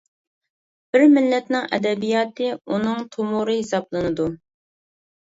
بىر مىللەتنىڭ ئەدەبىياتى ئۇنىڭ تومۇرى ھېسابلىنىدۇ.